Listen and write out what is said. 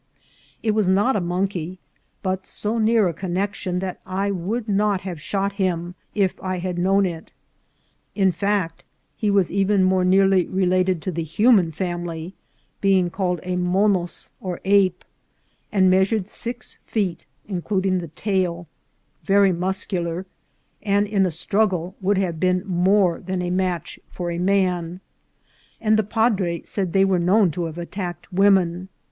It was not a monkey, but so near a connexion that I would not have shot him if I had known it. In fact, he was even more nearly related to the human family, being called a monos or ape, and measured six feet including the tail ; very muscular, and in a struggle would have been more than a match for a man ; and the padre said they were known to have attacked women.